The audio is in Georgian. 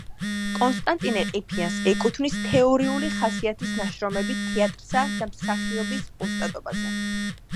კონსტანტინე ყიფიანს ეკუთვნის თეორიული ხასიათის ნაშრომები თეატრსა და მსახიობის ოსტატობაზე.